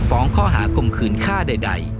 ไม่มีการสั่งฟ้องข้อหาคมคืนค่าใด